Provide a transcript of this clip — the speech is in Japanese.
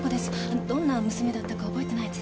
どんな娘だったか覚えてないですか？